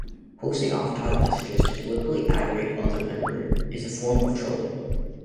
Posting off-topic messages to deliberately aggravate other members is a form of trolling.